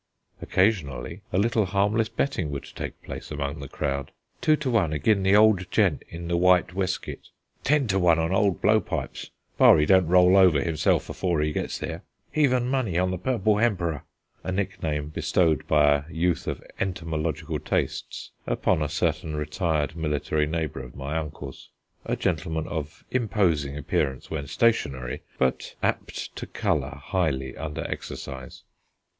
Occasionally a little harmless betting would take place among the crowd. "Two to one agin the old gent in the white weskit!" "Ten to one on old Blowpipes, bar he don't roll over hisself 'fore 'e gets there!" "Heven money on the Purple Hemperor!" a nickname bestowed by a youth of entomological tastes upon a certain retired military neighbour of my uncle's, a gentleman of imposing appearance when stationary, but apt to colour highly under exercise.